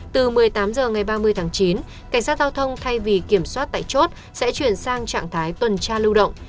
từ một mươi tám h ngày ba mươi tháng chín cảnh sát giao thông thay vì kiểm soát tại chốt sẽ chuyển sang trạng thái tuần tra lưu động